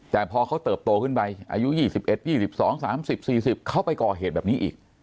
แต่พอเขาเติบโตขึ้นไปอายุ๒๑๒๒๓๐๔๐เขาไปก่อเหตุแบบนี้อีก